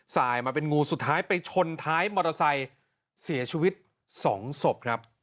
สายมาเป็นงูสุดท้ายไปชนท้ายมอเตอร์ไซค์เสียชีวิตสองศพครับ